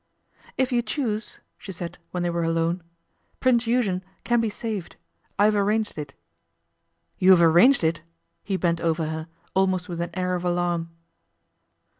'If you choose,' she said, when they were alone, 'Prince Eugen can be saved. I have arranged it.' 'You have arranged it?' He bent over her, almost with an air of alarm.